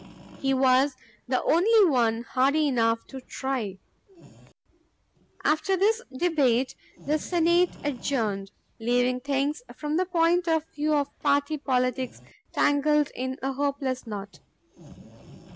He was the only one hardy enough to try. After this debate the Senate adjourned, leaving things from the point of view of party politics, tangled in a hopeless knot.